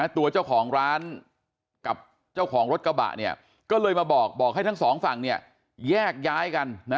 ตัวเจ้าของร้านกับเจ้าของรถกระบะเนี่ยก็เลยมาบอกบอกให้ทั้งสองฝั่งแยกย้ายกันนะ